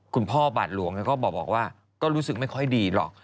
บาทหลวงก็บอกว่าก็รู้สึกไม่ค่อยดีหรอก